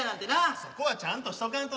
そこはちゃんとしとかんと。